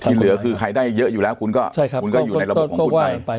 เหลือคือใครได้เยอะอยู่แล้วคุณก็อยู่ในระบบของคุณไป